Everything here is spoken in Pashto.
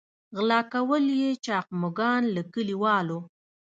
غلا کول یې چاغ مږان له کلیوالو.